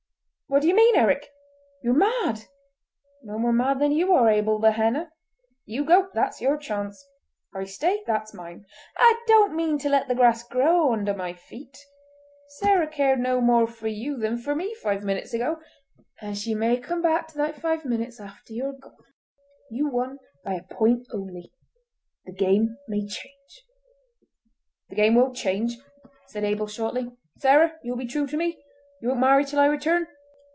"What do you mean, Eric? You are mad!" "No more mad than you are, Abel Behenna. You go, that's your chance! I stay, that's mine! I don't mean to let the grass grow under my feet. Sarah cared no more for you than for me five minutes ago, and she may come back to that five minutes after you're gone! You won by a point only—the game may change." "The game won't change!" said Abel shortly. "Sarah, you'll be true to me? You won't marry till I return?"